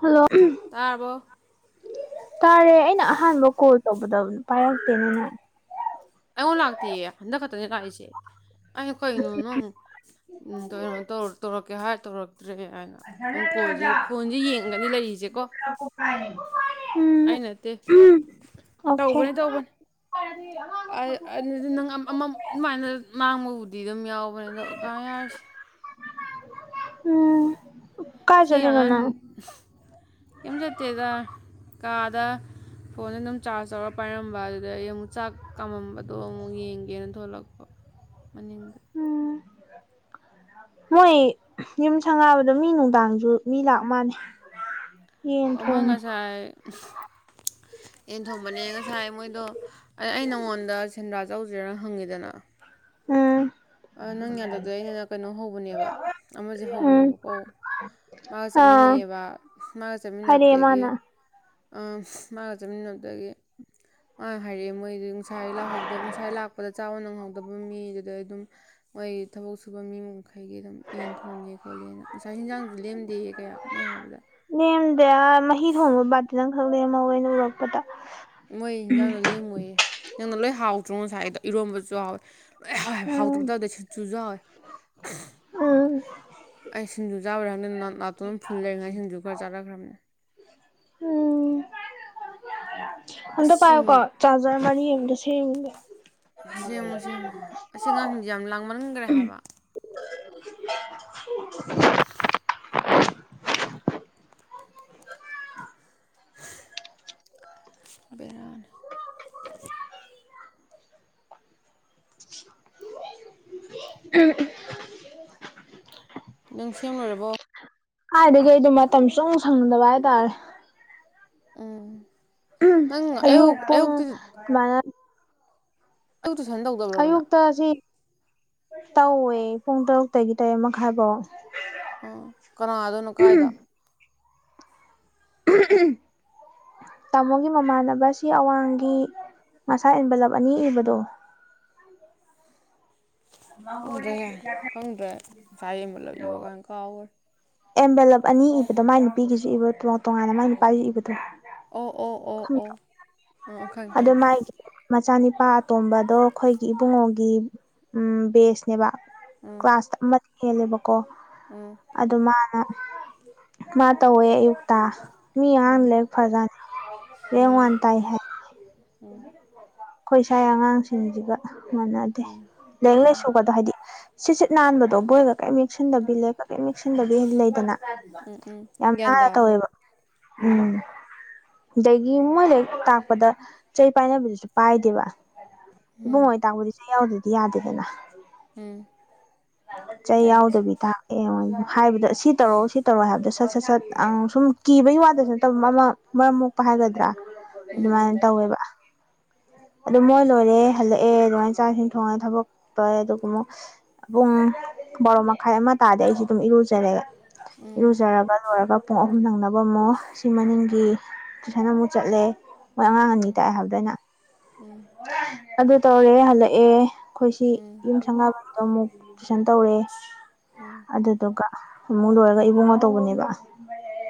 Hello ꯇꯥꯔꯕꯣ ꯇꯥꯔꯦ ꯑꯩꯅ ꯑꯍꯥꯟꯕ ꯀꯣꯜ ꯇꯧꯕꯗ ꯄꯥꯏꯔꯛꯇꯦꯅꯦ ꯅꯪ ꯑꯩꯉꯣꯟ ꯂꯥꯛꯇꯤꯌꯦ ꯍꯟꯗꯛ ꯈꯛꯇꯅꯦ ꯂꯥꯛꯏꯁꯦ ꯑꯩꯅ ꯀꯩꯅꯣ ꯅꯪ ꯎꯝ ꯀꯩꯅꯣ ꯇꯧ ꯇꯧꯔꯛꯀꯦ ꯍꯥꯏ ꯇꯧꯔꯛꯇ꯭ꯔꯦ ꯍꯥꯏꯅ ꯑꯪ ꯀꯣꯜꯖꯤ ꯐꯣꯟ ꯏ ꯌꯦꯡꯒꯅꯤ ꯂꯩꯏꯖ‌ꯦꯀꯣ [unintelligible] ꯎꯝ ꯑꯩ ꯅꯠꯇꯦ ꯑꯣꯀꯦ ꯇꯧꯕꯅꯤ ꯇꯧꯕꯟ [unintelligible] ꯑꯥꯏ ꯑꯗꯨꯗꯤ ꯅꯪ ꯑꯝ ꯑꯃꯝ ꯑꯗꯨꯃꯥꯏꯅ ꯃꯥꯡꯕꯕꯨꯗꯤ ꯑꯗꯨꯝ ꯌꯥꯎꯕꯅꯦ ꯑꯗꯣ ꯀꯥꯏ ꯌꯥꯔꯁꯦ ꯎꯝ ꯀꯥꯏ ꯁꯤ ꯆꯠꯂꯤꯅꯣ ꯑꯉꯥꯡ ꯅꯪ ꯀꯩꯝ ꯆꯠꯇꯦꯗ ꯀꯥꯗ ꯐꯣꯟ ꯑꯗꯨꯝ ꯆꯥꯔꯖ ꯇꯧꯔ ꯄꯥꯏꯔꯝꯕ ꯑꯗꯨꯗ ꯑꯩ ꯑꯃꯨꯛ ꯆꯥꯛ ꯀꯥꯝꯃꯝꯕꯗꯣ ꯑꯃꯨꯛ ꯌꯦꯡꯒꯦꯅ ꯊꯣꯛꯂꯛꯄ ꯃꯅꯤꯡꯗ ꯎꯝ ꯃꯣꯏ ꯌꯨꯝ ꯁꯪꯒꯕꯗꯣ ꯃꯤ ꯅꯨꯡꯗꯥꯡꯁꯨ ꯃꯤ ꯂꯥꯛ ꯃꯥꯟꯅ‌ꯦ ꯑꯣ ꯃ‌ꯣꯏ ꯉꯁꯥꯏ [unintelligible] ꯌꯦꯟ ꯊꯣꯡꯕꯅꯦ ꯉꯁꯥꯏ ꯃꯣꯏꯗꯣ ꯑ ꯑꯩ ꯅꯪꯉꯣꯟꯗ ꯁꯦꯟꯗ꯭ꯔꯥ ꯆꯧꯁꯤꯔꯥ ꯍꯪꯉꯤꯗꯅ ꯎꯝ ꯑꯥ ꯅꯪ ꯌꯥꯟꯗꯕꯗꯨ ꯑꯩꯅ ꯀꯩꯅꯣ ꯍꯧꯕꯅꯦꯕ ꯑꯃꯖ‌ꯦ ꯎꯝ ꯍꯧꯕꯅꯦꯕꯀꯣ ꯃꯥ ꯑꯥ ꯆꯠꯃꯤꯟꯅꯩꯌ‌ꯦꯕ ꯃꯥꯒ ꯍꯥꯏꯔꯛꯑꯦ ꯆꯠꯃꯤꯟꯅꯕꯗꯒꯤ ꯃꯥꯅ ꯑꯥ ꯃꯥꯒ ꯆꯠꯃꯤꯟꯅꯕꯗꯒꯤ ꯃꯥꯅ ꯍꯥꯏꯔ‌ꯦꯑꯦ ꯃꯣꯏꯗꯨꯏ ꯉꯁꯥꯏ ꯂꯥꯛꯍꯧꯗꯕ ꯉꯁꯥꯏ ꯂꯥꯛꯄꯗ ꯆꯥꯕ ꯅꯪꯍꯧꯗꯕ ꯃꯤꯗꯨꯗꯩ ꯑꯗꯨꯝ ꯃꯣꯏ ꯊꯕꯛ ꯁꯨꯕ ꯃꯤ ꯃꯈꯩꯒꯤ ꯑꯗꯨꯝ ꯌꯦꯟ ꯊꯣꯡꯉꯦ ꯈꯣꯠꯂꯦꯅ ꯉꯁꯥꯏ ꯍꯤꯟꯖꯥꯡꯁꯨ ꯂꯦꯝꯗꯦꯑ‌ꯦ ꯀꯌꯥ ꯃ‌ꯣꯏ ꯍꯥꯏꯕꯗ ꯂ‌ꯦꯝꯗꯦ ꯑ ꯃꯍꯤ ꯊꯣꯡꯕ ꯕꯥꯔꯇꯤꯟ ꯑꯝꯈꯛ ꯂ‌ꯦꯝꯍꯧꯋ‌ꯦ ꯑꯩꯅ ꯎꯔꯛꯄꯗ ꯃꯣꯏ ꯏꯟꯖꯥꯡꯗꯣ ꯂꯦꯝꯃꯣꯏꯌꯦ [unintelligible] ꯒ ꯂꯣꯏ ꯍꯥꯎꯇ꯭ꯔꯣ ꯉꯁꯥꯏ ꯗꯣ ꯏꯔꯣꯟꯝꯕꯁꯨ ꯍꯥꯎꯋꯦ ꯂ‌ꯣꯏ ꯍꯥꯎꯋ‌ꯦ ꯍꯥꯏꯕ ꯎꯝ ꯍꯥꯎꯇꯕ ꯇꯧꯗ‌ꯦ ꯆꯤꯠꯆꯨꯁꯨ ꯍꯥꯎꯋ‌ꯦ ꯎꯝ ꯑꯩ ꯁꯤꯡꯖꯨ ꯆꯥꯕꯩꯔ ꯈꯪꯗ‌ꯦ ꯅ ꯅꯥꯇꯣꯟ ꯐꯨꯜ ꯂꯩꯔꯤꯉꯩ ꯁꯤꯡꯖꯨ ꯈꯔ ꯆꯥꯔꯛꯈ꯭ꯔꯕꯅꯦ ꯎꯝ ꯑꯝꯇ ꯑꯁꯤ ꯄꯥꯏꯌꯨꯀꯣ ꯆꯥꯖꯔ ꯃꯔꯤ ꯑꯝꯇ ꯁ‌ꯦꯝꯒ‌ꯦ ꯁꯦꯝꯃ‌ꯣ ꯁꯦꯃ‌ꯣ ꯑꯁꯤ ꯑꯉꯥꯡꯁꯤꯡꯁꯦ ꯌꯥꯝ ꯂꯥꯡꯃꯟꯈ꯭ꯔꯦ ꯍꯥꯏꯕ [unintelligible] [unintelligible] [unintelligible] ꯑ ꯕ‌ꯦꯔꯥꯅ‌ꯦ [unintelligible] [unintelligible] ꯅꯪ ꯁꯦꯝꯂꯨꯔꯕꯣ ꯍꯥꯏꯗꯒꯤ ꯑꯩ ꯗꯤ ꯃꯇꯝ ꯁꯨꯡ ꯁꯪꯗꯕ ꯍꯥꯏꯇꯥꯔꯦ ꯎꯝ ꯅꯪ ꯑꯌꯨ ꯑꯌꯨꯛꯇꯤ ꯃꯔꯥ ꯇꯨ ꯇꯨꯁꯟ ꯇꯧꯗꯧ ꯑꯌꯨꯛꯇ ꯁꯤ ꯇꯧꯋꯦ ꯄꯨꯡ ꯇꯔꯨꯛꯇꯒꯤ ꯇꯔꯦꯠ ꯃꯈꯥꯏꯐꯥꯎ ꯎꯝ ꯀꯅꯥꯗꯣꯏꯅꯣ ꯀꯥꯏꯗ [unintelligible] ꯇꯥꯃꯣꯒꯤ ꯃꯃꯥꯟꯅꯕ ꯑꯁꯤ ꯑꯋꯥꯡꯒꯤ ꯃꯁꯥ ꯏꯟꯕꯂꯕ ꯑꯅꯤ ꯏꯕꯗꯣ ꯈꯪꯗ꯭ꯔꯦ ꯌꯥꯏꯦ ꯍꯪꯗ꯭ꯔꯦ ꯉꯁꯥꯏ ꯑꯦꯟꯕꯂꯞ ꯏꯕ ꯀꯥꯏꯅ ꯀꯥꯎꯒꯔꯦ ꯑꯦꯝꯕꯦꯂꯞ ꯑꯅꯤ ꯏꯕꯗꯣ ꯃꯥꯏ ꯅꯨꯄꯤꯒꯤꯁꯨ ꯏꯕꯣ ꯇꯣꯉꯥꯟ ꯇꯣꯉꯥꯟꯅ ꯃꯥꯏ ꯅꯨꯄꯥꯁꯨ ꯏꯕꯗꯣ ꯑꯣ ꯑꯣ ꯑꯣ ꯑꯣ ꯑꯥ ꯈꯪꯉꯦ ꯑꯗꯨ ꯈꯪꯉꯦ ꯃꯥꯥꯏ ꯃꯆꯥꯅꯤꯄꯥ ꯑꯇꯣꯝꯕꯗꯣ ꯑꯩꯈꯣꯏꯒꯤ ꯏꯕꯨꯡꯉꯣꯒꯤ ꯎꯝ ꯕꯦꯁ ꯅꯦꯕ ꯀ꯭ꯂꯥꯁ ꯑꯃ ꯍꯦꯜꯂꯦꯕꯀꯣ ꯎꯝ ꯑꯗꯨ ꯃꯥꯅ ꯃꯥ ꯇꯧꯋꯦ ꯑꯌꯨꯛꯇ ꯃꯤ ꯑꯉꯥꯡ ꯂꯩꯛ ꯐꯖꯅꯤ ꯂꯦꯡ ꯋꯥꯟ ꯇꯥꯏ ꯍꯥꯏ ꯎꯝ ꯑꯩꯈꯣꯏ ꯏꯁꯥꯒꯤ ꯑꯉꯥꯡꯁꯤꯡꯁꯤꯒ ꯃꯥꯟꯅꯗꯦ ꯂꯥꯏꯔꯤꯛ ꯂꯥꯏꯁꯨꯒꯗꯣ ꯍꯥꯏꯗꯤ ꯁꯤꯠ ꯁꯤꯠ ꯅꯥꯟꯕꯗꯣ ꯕꯣꯏꯒ ꯀꯔꯤ ꯌꯦꯛꯁꯤꯟꯗꯕꯤ ꯂꯦꯞꯄ ꯀꯔꯤ ꯌꯦꯛꯁꯤꯟꯗꯕꯤ ꯂꯩꯗꯅ ꯎꯝ ꯎꯝ ꯌꯥꯝ ꯒ꯭ꯌꯥꯟ ꯅꯥꯟꯅꯥ ꯇꯥꯕꯗꯣ ꯇꯧꯋꯦꯕ ꯎꯝ ꯑꯗꯒꯤ ꯃꯣꯏ ꯍꯦꯛ ꯇꯥꯛꯄꯗ ꯆꯩ ꯄꯥꯏꯕꯤꯗꯨꯁꯨ ꯄꯥꯏꯗꯦꯕ ꯏꯕꯨꯡꯉꯣ ꯇꯥꯛꯕꯗꯤ ꯆꯩ ꯌꯥꯎꯗ꯭ꯔꯗꯤ ꯌꯥꯗꯦꯗꯅ ꯎꯝ ꯆꯩ ꯌꯥꯗ꯭ꯔꯦ ꯌꯥꯎꯗꯕꯤꯗ ꯑꯦ ꯍꯥꯏꯕꯗ ꯁꯤ ꯇꯧꯔꯛꯑꯣ ꯁꯤ ꯇꯧꯔꯣ ꯍꯥꯏꯕꯗ ꯁꯠ ꯁꯠ ꯁꯠ ꯁꯨꯝ ꯀꯤꯕꯒꯤ ꯋꯥꯗꯁꯨ ꯅꯠꯇꯕ ꯃꯃꯥ ꯃꯔꯝ ꯃꯣꯛꯄ ꯍꯥꯏꯒꯗ꯭ꯔꯥ ꯎꯝ ꯎꯝ ꯑꯗꯨꯃꯥꯏꯅ ꯇꯧꯋꯦꯕ ꯑꯗꯨ ꯃꯣꯏ ꯂꯣꯏꯔꯦ ꯍꯜꯂꯛꯑꯦ ꯑꯗꯨꯃꯥꯏꯅ ꯆꯥꯛ ꯏꯁꯤꯡ ꯊꯣꯡꯉꯦ ꯊꯕꯛ ꯇꯧꯌꯦ ꯑꯗꯨꯒ ꯑꯃꯨꯛ ꯄꯨꯡ ꯕꯥꯔꯣ ꯃꯈꯥꯏ ꯑꯃ ꯇꯥꯗ ꯑꯩꯁꯤ ꯑꯗꯨꯝ ꯏꯔꯨꯖꯔꯛꯑꯦ ꯏꯔꯨꯖꯔꯒ ꯂꯣꯏꯔꯒ ꯄꯨꯡ ꯑꯍꯨꯝ ꯅꯪꯅꯕ ꯑꯃꯨꯛ ꯁꯤ ꯃꯅꯤꯡꯒꯤ ꯇꯨꯏꯁꯟ ꯑꯃꯨꯛ ꯆꯠꯂꯦ ꯃꯣꯏ ꯑꯉꯥꯡ ꯑꯅꯤ ꯇꯥꯛꯑꯦ ꯍꯥꯏꯕꯗꯅ ꯑꯩꯅꯥ ꯎꯝ ꯑꯗꯨ ꯇꯧꯔꯦ ꯍꯜꯂꯛꯑꯦ ꯑꯩꯈꯣꯏꯁꯤ ꯌꯨꯝ ꯁꯪꯒꯥꯕꯗꯣ ꯑꯃꯨꯛ ꯇꯨꯏꯁꯟ ꯇꯧꯔꯑꯦ ꯑꯗꯨꯗꯨꯒ ꯑꯃꯨꯛ ꯂꯣꯏꯔꯒ ꯏꯕꯨꯡꯉꯣ ꯇꯧꯕꯅꯦꯕ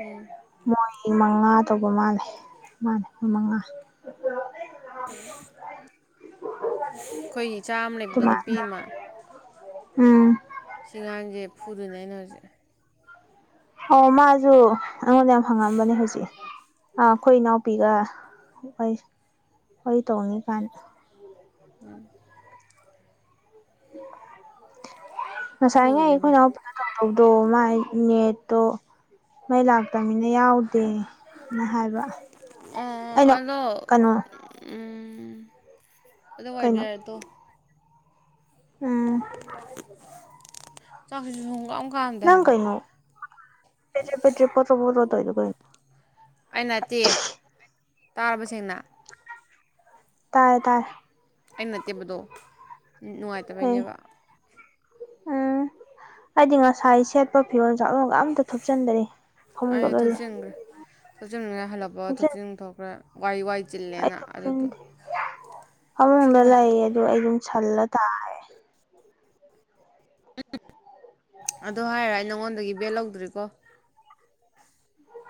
ꯎꯝ ꯃꯣꯏ ꯃꯉꯥ ꯇꯧꯕ ꯃꯥꯜꯂꯦ ꯃꯥꯂ ꯃꯣꯏ ꯃꯉꯥ ꯑꯩꯈꯣꯏꯒꯤ ꯏꯆꯥ ꯑꯃ ꯂꯩꯕꯗꯣ ꯅꯨꯄꯤ ꯑꯗꯨꯃꯥꯏꯅ ꯑꯃ ꯎꯝ ꯁꯤꯒꯥꯡꯁꯦ ꯐꯨꯗꯣꯏꯅꯦ ꯑꯩꯅ ꯍꯧꯖꯤꯛ ꯑꯣ ꯃꯥꯁꯨ ꯑꯩꯉꯣꯟꯗ ꯌꯥꯝ ꯍꯪꯉꯝꯕꯅꯦ ꯍꯧꯖꯤꯛ ꯑ ꯑꯩꯈꯣꯏ ꯏꯅꯥꯎꯄꯤꯒ ꯍꯣꯏ ꯍꯣꯏ ꯇꯣꯡꯅꯤ ꯀꯥꯏꯟ ꯉꯁꯥꯏ ꯉ ꯐꯨꯗꯣꯏꯅꯦ ꯚꯥꯏ ꯑꯩꯈꯣꯏꯅꯄ ꯇꯧꯗꯧꯗꯣ ꯃꯥꯥꯏ ꯅꯦꯠꯇꯣ ꯃꯩ ꯂꯥꯛꯇꯕꯃꯤꯅ ꯌꯥꯎꯗꯦꯅ ꯍꯥꯏꯕ ꯑꯣ ꯑꯩꯅ ꯑꯗꯣ ꯀꯩꯅꯣ ꯎꯝ ꯑꯗꯨꯋꯥꯏꯗꯤ ꯀꯩꯅꯣ ꯑꯗꯨ ꯎꯝ ꯆꯥꯛꯁꯤ [unintelligible] ꯅꯪ ꯀꯩꯅꯣ ꯄꯦꯇꯦ ꯄꯦꯇꯔꯦ ꯄꯣꯠꯇꯣ ꯄꯣꯠꯗꯣ ꯇꯩꯏꯗꯣ ꯀꯩꯅꯣ ꯑꯩ ꯅꯠꯇꯦ ꯇꯥꯔꯕ ꯁꯦꯡꯅ ꯇꯥꯔꯦ ꯇꯥꯔꯦ ꯑꯩꯅ ꯅꯠꯇꯦꯕ ꯑꯗꯣ ꯀꯩ ꯅꯨꯡꯉꯥꯏꯇꯕꯩꯅꯦꯕ ꯎꯝ ꯑꯩꯗꯤ ꯉꯁꯥꯏ ꯁꯦꯠꯄ ꯐꯤꯔꯣꯟ ꯆꯥꯛꯂꯣꯟꯒ ꯑꯝꯇ ꯊꯨꯞꯆꯟꯗ꯭ꯔꯤ ꯑꯩ ꯊꯨꯞꯆꯤꯟꯒ꯭ꯔꯦ ꯊꯨꯞꯆꯤꯟꯉꯥꯏ ꯍꯜꯂꯛꯄ ꯊꯨꯞꯆꯟꯗꯦ ꯊꯨꯞꯆꯤꯟ ꯊꯣꯛꯈ꯭ꯔꯦ ꯋꯥꯏ ꯋꯥꯏ ꯑꯩ ꯆꯤꯜꯂꯦꯅ ꯑꯗꯨꯗꫭ ꯊꯨꯞꯆꯟꯗꯦ ꯐꯃꯨꯡꯗ [unintelligible] ꯂꯩ ꯑꯩ ꯑꯗꯨ ꯑꯗꯨꯝ ꯁꯜꯂ ꯇꯥꯔꯅꯤ ꯎꯝ ꯑꯗꯨ ꯍꯥꯏꯔ ꯑꯩ ꯅꯉꯣꯟꯗꯒꯤ ꯕꯦꯛ ꯂꯧꯗ꯭ꯔꯤꯀꯣ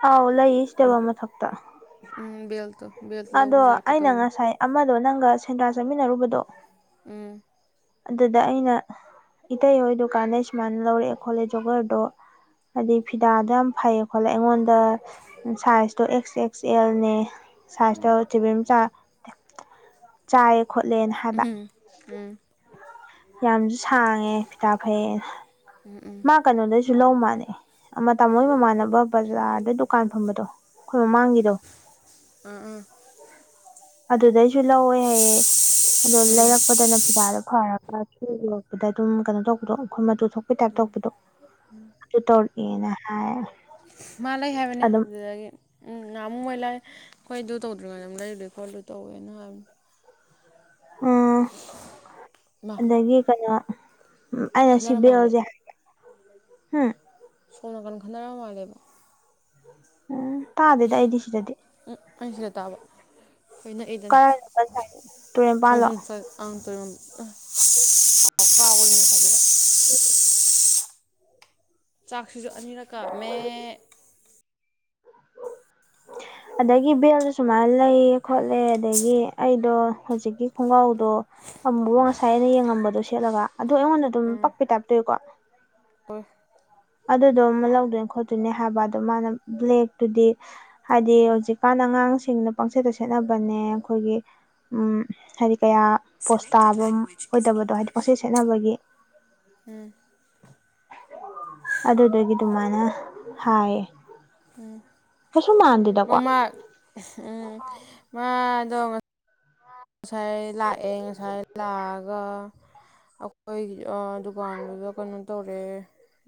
ꯑꯥꯎ ꯂꯩꯌꯦ ꯁꯤ ꯇꯦꯕꯜ ꯃꯊꯛꯇ ꯎꯝ ꯕꯦꯜꯇꯣ ꯕꯦꯜꯇꯣ ꯂꯧꯕ ꯑꯗꯣ ꯂꯥꯛꯀꯦ ꯑꯩꯅ ꯇꯧꯕꯅꯦ ꯉꯁꯥꯏ ꯑꯃꯗꯣ ꯅꯪꯒ ꯁꯦꯟꯗ꯭ꯔꯥ ꯆꯠꯃꯤꯟꯅꯔꯨꯕꯗꯣ ꯎꯝ ꯑꯗꯨꯗ ꯑꯩꯅ ꯏꯇꯩꯍꯣꯏ ꯗꯨꯀꯥꯟꯗꯩ ꯁꯨꯃꯥꯏꯅ ꯂꯧꯔꯛꯑꯦ ꯈꯣꯠꯂꯦ ꯖꯣꯒꯔꯗꯣ ꯍꯥꯏꯗꯤ ꯐꯤꯗꯥꯗꯣ ꯌꯥꯝ ꯐꯩꯌꯦ ꯈꯣꯠꯂꯦ ꯑꯩꯉꯣꯟꯗ ꯁꯥꯏꯖꯇꯣ ꯑꯦꯛꯁ ꯑꯦꯛꯁ ꯑꯦꯜꯅꯦ ꯁꯥꯏꯁꯇꯧ ꯆꯦꯚꯦꯝ ꯆꯥ ꯆꯥꯏꯌꯦ ꯈꯣꯠꯂꯦꯅ ꯍꯥꯏꯕ ꯎꯍꯝ ꯎꯝ ꯌꯥꯝꯁꯨ ꯁꯥꯡꯉꯦ ꯐꯤꯗ ꯐꯩꯌꯦꯅ ꯎꯝ ꯎꯝ ꯃꯥ ꯀꯩꯅꯣꯗꯩꯁꯨ ꯂꯧ ꯃꯥꯥꯟꯅꯦ ꯑꯃ ꯇꯥꯃꯣ ꯍꯣꯏ ꯃꯃꯥꯟꯅꯕ ꯕꯖꯥꯔꯗ ꯗꯨꯀꯥꯟ ꯐꯝꯕꯗꯣ ꯑꯩꯈꯣꯏ ꯃꯃꯥꯡꯒꯤꯗꯣ ꯑꯝ ꯎꯝ ꯑꯗꯨꯗꯩꯁꯨ ꯂꯧꯋꯦ ꯍꯥꯏꯌꯦ ꯑꯗꯣ ꯂꯩꯔꯛꯄꯗꯅ ꯐꯤꯗꯥꯗꯣ ꯐꯔꯒ ꯁꯨ ꯔꯛꯄꯗ ꯑꯗꯨꯝ ꯀꯩꯅꯣ ꯇꯧꯕꯗꯣ ꯑꯩꯈꯣꯏ ꯃꯇꯨ ꯊꯣꯛꯄꯩ ꯇꯥꯏꯞ ꯇꯩꯔꯛꯄꯗꯣ ꯑꯗꯨ ꯇꯧꯔꯛꯑꯦꯅ ꯍꯥꯏ ꯃꯥ ꯂꯩ ꯍꯥꯏꯕꯅꯦ ꯑꯗꯨꯝ ꯑꯗꯨꯗꯒꯤ ꯎꯝ ꯅꯍꯥꯟꯃꯨꯛ ꯃꯣꯏ ꯂꯩ ꯑꯩꯈꯣꯏ ꯑꯗꯨ ꯇꯧꯗ꯭ꯔꯤꯉꯩꯗ ꯂꯩꯔꯨꯏ ꯈꯣꯠꯂꯦ ꯇꯧꯋꯦꯅ ꯍꯥꯏꯕꯅꯤ ꯎꯝ ꯃꯥ ꯑꯗꯒꯤ ꯀꯩꯅꯣ ꯑꯩꯅ ꯁꯤ ꯈꯠꯅꯔ ꯃꯥꯜꯂꯦ ꯕꯦꯜꯁꯦ ꯍꯝ ꯁꯣꯝ ꯅꯥꯀꯟ ꯈꯟꯅꯔꯝ ꯃꯒꯦꯕ ꯎꯝ ꯇꯥꯗꯦꯗ ꯑꯩꯗꯤ ꯁꯤꯗꯗꯤ ꯎꯝ ꯑꯩ ꯁꯤꯗ ꯇꯥꯕ ꯑꯩꯈꯣꯏ ꯅꯛꯏꯗꯅ ꯀꯔꯥꯏꯅꯣ ꯇꯨꯔꯦꯟꯄꯥꯜꯂꯣ [unintelligible] [unintelligible] ꯐꯖꯅ [inaudible] ꯆꯥꯛꯁꯤꯁꯨ ꯑꯅꯤꯔꯛ ꯀꯥꯝꯃꯦ [inaudible] ꯑꯗꯒꯤ ꯕꯦꯜꯗꯣ ꯁꯨꯃꯥꯏꯅ ꯂꯩ ꯈꯣꯠꯂꯦ ꯑꯗꯒꯤ ꯑꯩꯗꯣ ꯍꯧꯖꯤꯛꯀꯤ ꯈꯣꯡꯒ꯭ꯔꯥꯎꯗꯣ ꯑꯃꯨꯕ ꯉꯁꯥꯏ ꯑꯩꯅ ꯌꯦꯡꯉꯝꯕꯗꯣ ꯁꯦꯠꯂꯒ ꯑꯗꯨ ꯑꯩꯉꯣꯟꯗ ꯑꯗꯨꯝ ꯄꯛꯄ ꯇꯥꯏꯞꯇ ꯇꯧꯏꯀꯣ ꯑꯗꯨꯗꯣ ꯑꯃ ꯂꯧꯗꯣꯏꯅꯦ ꯈꯣꯠꯇꯣꯏꯅꯦ ꯍꯥꯏꯕ ꯑꯗꯣ ꯃꯥꯅ ꯕ꯭ꯂꯦꯛꯇꯨꯗꯤ ꯍꯥꯏꯗꯤ ꯍꯧꯖꯤꯛꯀꯥꯟ ꯑꯉꯥꯡꯁꯤꯡꯅ ꯄꯪꯆꯦꯠꯇ ꯁꯦꯠꯅꯕꯅꯦ ꯑꯩꯈꯣꯏꯒꯤ ꯎꯝ ꯍꯥꯏꯗꯤ ꯀꯌꯥ ꯄꯣꯁ ꯇꯥꯕ ꯑꯣꯏꯗꯕꯗꯣ ꯍꯥꯏꯗꯤ ꯄꯪꯁꯦꯠ ꯁꯦꯠꯅꯕꯒꯤ ꯎꯝ ꯑꯗꯨꯗꯒꯤ ꯑꯗꯨꯃꯥꯏꯅ ꯍꯥꯏꯌꯦ ꯎꯝ ꯀꯩꯁꯨ ꯃꯥꯟꯗꯦꯗꯀꯣ ꯃꯃꯥ ꯎꯝ ꯃꯥꯗꯣ ꯉꯁꯥꯏ ꯂꯥꯛꯑꯦ ꯉꯁꯥꯏ ꯂꯥꯛꯑꯒ ꯑꯛ ꯑꯩꯒꯤ ꯑꯥ ꯗꯨꯀꯥꯟꯗꯨꯗ ꯀꯩꯅꯣ ꯇꯧꯔꯦ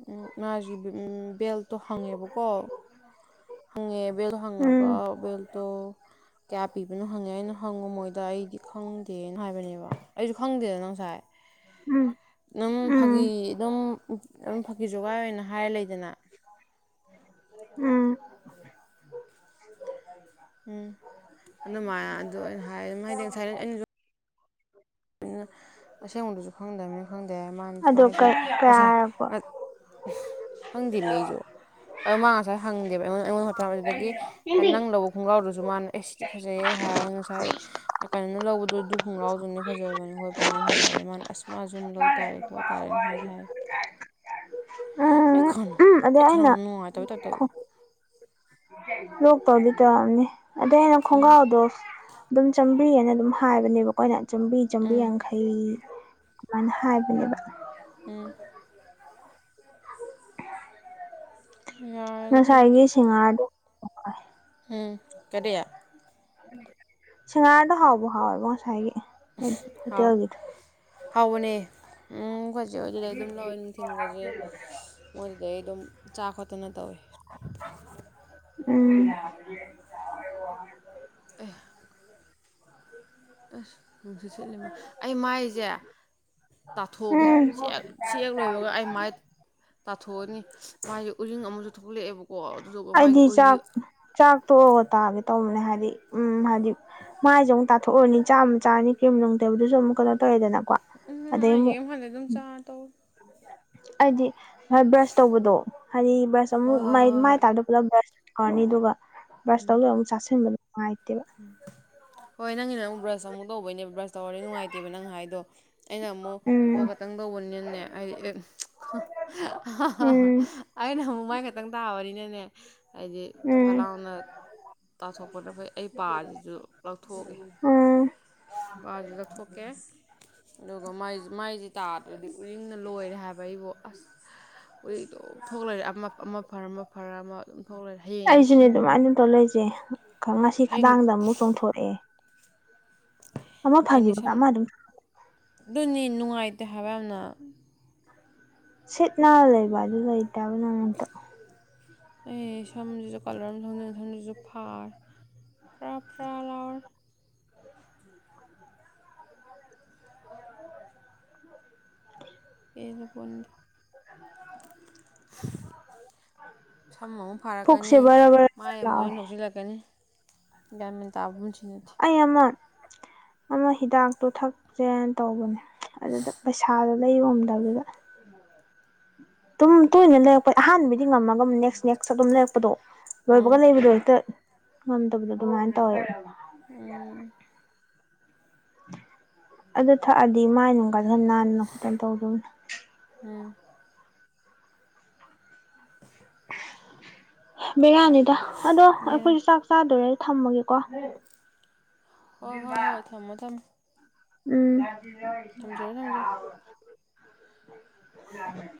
ꯎꯝ ꯃꯁꯤ ꯕꯦꯜꯠꯇꯣ ꯍꯪꯉꯦꯕꯀꯣ ꯍꯪꯉꯦ ꯕꯦꯜꯗꯣ ꯍꯪꯉꯒ ꯎꯝ ꯕꯦꯜꯇꯣ ꯀꯌꯥ ꯄꯤꯕꯅꯣ ꯍꯪꯉꯦ ꯑꯩꯅ ꯍꯪꯉꯨ ꯃꯣꯏꯗ ꯑꯩ ꯏ ꯈꯪꯗꯦꯅ ꯍꯥꯏꯕꯅꯦꯕ ꯑꯩꯁꯨ ꯈꯪꯗꯦꯗ ꯉꯁꯥꯏ ꯎꯝ ꯅꯪ ꯐꯥꯒꯤ ꯎꯝ ꯑꯗꯨꯝ ꯑꯗꯨꯝ ꯐꯥꯒꯤ ꯖꯨꯒꯥꯏ ꯑꯣꯏꯅ ꯍꯥꯏꯔ ꯂꯩꯗꯅ ꯎꯝ ꯎꯝ ꯑꯗꯨꯃꯥꯏꯅ ꯑꯗꯨ ꯑꯩꯅ ꯍꯥꯏ ꯃꯗꯤ ꯉꯥꯁꯥꯏ [unintelligible] ꯗꯨꯅ ꯑꯁꯦꯡꯕꯗꯨꯁꯨ ꯈꯪꯗꯕꯅꯤꯅ ꯈꯪꯗꯦ ꯍꯥꯏ ꯃꯅꯥ ꯑꯗꯣ ꯃꯥꯏꯁꯨ ꯀꯩ ꯀꯌꯥ ꯉꯁꯥꯏ ꯍꯥꯏꯔꯛꯄ ꯍꯪꯗꯦ ꯃꯤ ꯑꯩꯁꯨ ꯑꯃꯥ ꯉꯁꯥꯏ ꯍꯪꯗꯦꯕ ꯑꯩꯉꯣꯟꯗ ꯑꯩꯉꯣꯟꯗ [unintelligible] ꯗꯥꯒꯤ ꯍꯥꯏ ꯅꯪ ꯂꯧꯕ ꯈꯣꯡꯒꯥꯎꯗꯨꯁꯨ ꯃꯥꯅ ꯑꯦ ꯁꯤꯗꯤ ꯐꯖꯩꯍꯦ ꯍꯥꯏ ꯉꯁꯥꯏ ꯀꯥꯏꯅ ꯂꯧꯕꯗꯣ ꯑꯗꯨ ꯈꯣꯡꯂꯥꯎꯗꯨꯅꯦ ꯐꯖꯕꯅꯤ ꯈꯣꯠꯄꯅꯤꯅ ꯍꯥꯏꯔꯦ ꯃꯥꯅ ꯑꯁ ꯃꯥꯁꯨ ꯑꯗꯨꯝ ꯂꯧ ꯇꯥꯔꯦ ꯈꯣꯠ ꯇꯥꯔꯦꯅ ꯍꯥꯏꯗꯤ ꯍꯥꯏ ꯑꯩ ꯎꯝ ꯈꯟ ꯎꯝ ꯑꯗꯩ ꯑꯩ ꯑꯩꯅ ꯈꯟꯅꯥꯎ ꯅꯨꯡꯉꯥꯏꯇꯕꯩ ꯇꯏꯞ ꯇꯧꯋꯦ ꯂꯣꯛꯄꯗꯤ ꯑꯗꯩ ꯑꯩꯅ ꯈꯣꯡꯒ꯭ꯔꯥꯎꯗꯣ ꯑꯗꯨꯝ ꯆꯥꯝꯃꯔꯤꯑꯅ ꯑꯗꯨꯝ ꯍꯥꯏꯕꯅꯦꯕ ꯀꯣꯑꯩꯅꯥ ꯆꯥꯝꯔꯤ ꯆꯥꯝꯃꯔꯤ ꯌꯥꯡ ꯈꯩ ꯑꯗꯨꯃꯥꯏꯅ ꯍꯥꯏꯕꯅꯦꯕ ꯎꯝ ꯌꯥꯔꯦꯗ ꯑꯗꯨꯕꯨꯗꯤ ꯉꯁꯥꯏꯒꯤ ꯁꯤꯡꯍꯥꯔꯗꯣ ꯎꯝ ꯀꯔꯤ ꯁꯤꯡꯉꯥꯔꯗꯣ ꯍꯥꯎꯕ ꯍꯥꯎꯋꯦꯕꯣ ꯉꯁꯥꯏꯒꯤ ꯍꯥꯎ ꯍꯣꯇꯦꯜꯒꯤꯗꯣ ꯍꯥꯎꯕꯅꯦ ꯎꯝ ꯑꯩꯈꯣꯏ ꯍꯧꯖꯤꯛ ꯑꯗꯨꯝ ꯂꯧꯋꯦ ꯅꯨꯡꯊꯤꯟꯒꯁꯦ ꯃꯣꯏꯗꯨꯗ ꯑꯩ ꯑꯗꯨꯝ ꯆꯥ ꯈꯣꯠꯇꯅ ꯇꯧꯋꯦ ꯎꯝ ꯑꯦ ꯑꯁ ꯅꯨꯡꯁꯤꯠꯂꯤꯃ ꯑꯩ ꯃꯥꯏꯁ ꯖꯦ ꯇꯥꯊꯣꯛꯑꯒꯦ ꯎꯝ ꯁꯤ ꯍꯦꯛ ꯁꯤ ꯍꯦꯛ ꯂꯣꯏꯕꯒ ꯑꯩ ꯃꯥꯏ ꯇꯥꯊꯣꯛꯑꯅꯤ ꯃꯥꯁꯦ ꯎꯔꯤꯡ ꯑꯃꯁꯨ ꯊꯣꯛꯂꯛꯑꯦꯕꯀꯣ ꯑꯗꯨꯗꯨꯒ ꯃꯥꯥꯏꯁꯦ ꯑꯣꯏꯂꯤ ꯆꯥꯛꯇꯣꯛꯑ ꯇꯥꯒꯦ ꯇꯧꯕꯅꯦ ꯍꯥꯏꯗꯤ ꯎꯝ ꯍꯥꯏꯗꯤ ꯃꯥꯏꯁ ꯑꯃꯨꯛ ꯇꯥꯊꯣꯛꯎꯅꯤ ꯆꯥꯃ ꯆꯔꯅꯤ ꯀꯔꯤꯝ ꯅꯨꯡ ꯇꯕꯗꯨꯁꯨ ꯑꯃꯨꯛ ꯀꯩꯅ ꯇꯧꯋꯦꯗꯅꯀꯣ ꯑꯗꯩ ꯑꯃꯨꯛ ꯌꯦꯡꯀꯥꯟꯗ ꯑꯗꯨꯝ ꯆꯥꯔ ꯇꯧ ꯑꯩꯗꯤ ꯕ꯭ꯔꯁ ꯇꯧꯕꯗꯣ ꯍꯥꯏꯗꯤ ꯕ꯭ꯔꯁ ꯍꯣꯏ ꯑꯃꯨꯛ ꯍꯣꯏ ꯃꯥꯏ ꯍꯣꯏ [unintelligible] ꯕ꯭ꯔꯁ ꯀꯥꯔꯅꯤ ꯑꯗꯨꯒ ꯕ꯭ꯔꯁ ꯇꯧꯗꯒ ꯑꯃꯨꯛ ꯆꯥꯁꯤꯟꯕ ꯅꯨꯡꯉꯥꯏꯇꯦꯕ ꯍꯣꯏ ꯅꯪꯒꯤꯅꯥ ꯑꯃꯨꯛ ꯕ꯭ꯔꯁ ꯑꯃꯨꯛ ꯇꯧꯕꯩꯅꯦꯕ ꯕ꯭ꯔꯁ ꯇꯧꯔꯗꯤ ꯅꯨꯡꯉꯥꯏꯇꯦꯕ ꯅꯪ ꯍꯥꯏꯗꯣ ꯑꯩꯅ ꯃꯨꯛ ꯀꯣ ꯎꯝ ꯈꯛꯇꯪ ꯇꯧꯕꯅꯤꯅꯅꯦ ꯑꯩ ꯑꯦ ꯎꯝ [unintelligible] ꯑꯩꯅ ꯑꯃꯨꯛ ꯃꯥꯏ ꯈꯛꯇꯪ ꯇꯥꯕꯅꯤꯅꯅꯦ ꯍꯥꯏꯗꯤ ꯐꯠ ꯎꯝ ꯂꯥꯎꯅ ꯇꯥꯊꯣꯛꯄꯗ ꯐꯩ ꯑꯩ ꯄꯥꯁꯤꯁꯨ ꯂꯧꯊꯣꯛꯑꯒꯦ ꯎꯝ ꯕꯥꯖꯤ ꯂꯧꯊꯣꯛꯀꯦ ꯑꯗꯨꯒ ꯃꯥꯏ ꯃꯥꯏꯁꯤ ꯇꯥ ꯑꯗꯨꯗꯤ ꯎꯔꯤꯡꯅ ꯂꯣꯏꯔꯦ ꯍꯥꯏꯕ ꯑꯩꯕꯨ ꯑꯁ ꯎꯔꯤꯡ ꯗꯨꯝ ꯊꯣꯛ ꯂꯩꯔꯦ ꯑꯃꯞ ꯑꯃ ꯐꯔ ꯑꯃ ꯐꯔ ꯑꯃ ꯑꯗꯨꯝ ꯊꯣꯛ ꯂꯩꯔꯦ ꯍꯌꯦꯡꯗꯤ ꯑꯩꯁꯨꯅꯦ ꯁꯝ ꯑꯗꯨꯃꯥꯏꯅ ꯇꯧ ꯂꯩꯁꯦ ꯉꯁꯤ ꯍꯌꯦꯡ ꯈꯗꯥꯡꯗ ꯑꯃꯨꯛ ꯆꯣꯡꯊꯣꯛꯑꯦ ꯍꯥꯏꯅꯤ ꯐꯪꯈꯤꯕꯒ ꯁꯨꯝ ꯑꯃ ꯑꯗꯨꯝ ꯑꯗꯨꯅꯤ ꯅꯨꯡꯉꯥꯏꯇꯦ ꯍꯥꯏꯕ ꯌꯥꯝꯅ ꯁꯤꯠ ꯅꯥ ꯂꯩꯕ ꯑꯗꯨ ꯂꯩꯇꯕ ꯑꯝꯇ ꯑꯩ ꯁꯝꯗꯨꯁꯨ ꯀꯂꯔ ꯑꯃ ꯁꯝꯗꯨꯁꯨ ꯐꯥꯔꯦ ꯐ꯭ꯔꯥ ꯐ꯭ꯔꯥ ꯂꯥꯎꯔꯦ ꯄꯦꯜꯂꯄꯣꯠꯅꯤ ꯁꯝ ꯑꯃꯨꯛ ꯐꯥꯔꯛꯀꯅꯤ ꯄꯨꯛꯁꯦ ꯕꯔ ꯕꯔ ꯃꯥꯏ ꯑꯃꯨꯛ ꯂꯥꯎꯋꯦ ꯎꯔꯤꯡ ꯊꯣꯛꯆꯤꯜꯂꯛꯀꯅꯤ ꯒ꯭ꯌꯥꯟ ꯃꯦꯟ ꯇꯥꯕ ꯄꯨꯟꯁꯤ ꯅꯠꯇꯦ ꯑꯩ ꯑꯃ ꯑꯃ ꯍꯤꯗꯥꯛꯇꯣ ꯊꯛꯁꯦꯅ ꯇꯧꯕꯅꯦ ꯑꯗꯨꯗ ꯄꯩꯁꯥꯗꯣ ꯂꯩꯕ ꯉꯝꯗꯕꯗꯨꯗ ꯑꯗꯨꯝ ꯇꯣꯏꯅ ꯂꯩꯔꯛꯄ ꯑꯍꯥꯟꯕꯩꯗꯤ ꯉꯝꯃꯒ ꯅꯦꯛꯁ ꯅꯦꯛꯁ ꯑꯗꯨꯝ ꯂꯩꯔꯛꯄꯗꯣ ꯑꯥ ꯂꯣꯏꯕꯒ ꯂꯩꯕꯗꯣ ꯍꯦꯛꯇ ꯉꯝꯗꯕꯗꯣ ꯑꯗꯨꯃꯥꯏꯅ ꯇꯧꯋꯦ ꯎꯝ ꯑꯗꯨ ꯊꯛꯑꯗꯤ ꯃꯥꯏ ꯅꯨꯡꯒꯁꯨ ꯈꯔ ꯅꯥꯟꯅ ꯈꯣꯠꯇꯅ ꯇꯧꯗꯧꯗꯣ ꯎꯝ꯫ ꯕꯤꯔꯅꯤꯗ ꯑꯗꯣ ꯕꯦꯔꯥ ꯑꯩꯈꯣꯏꯁꯨ ꯆꯥꯛ ꯆꯥꯗꯣꯔꯦ꯫ ꯊꯝꯃꯒꯦꯀꯣ ꯍꯣꯏ ꯍꯣꯏ ꯍꯣꯏ ꯊꯝꯃꯣ ꯊꯝꯃꯣ [unintelligible] ꯎꯝ ꯊꯝꯖꯔꯦ ꯊꯝꯖꯔꯦ [unintelligible]